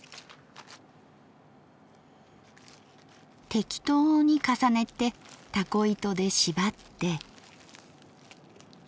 適当に重ねてたこ糸で縛って。